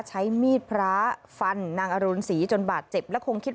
ใช้มีดพลาฟันนางอรุณสีจนบาดเจ็บ